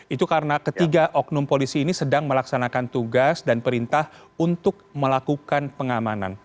itu karena ketiga oknum polisi ini sedang melaksanakan tugas dan perintah untuk melakukan pengamanan